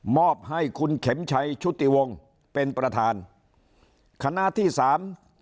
อบให้คุณเข็มชัยชุติวงศ์เป็นประธานคณะที่สาม